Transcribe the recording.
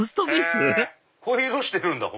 こういう色してるんだ！